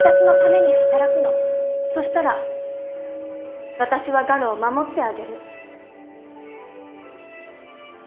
そしたら私は我路を守ってあげる